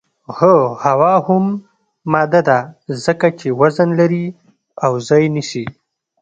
هو هوا هم ماده ده ځکه چې وزن لري او ځای نیسي.